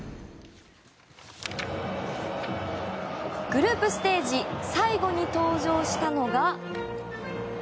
グループステージ最後に登場したのが。